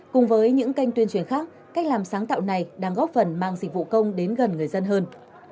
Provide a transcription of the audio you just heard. cùng với những kênh tuyên truyền khác cách làm sáng tạo này đang góp phần mang dịch vụ công đến gần người dân hơn